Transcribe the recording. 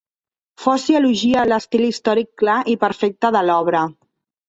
Foci elogia l'estil històric clar i perfecte de l'obra.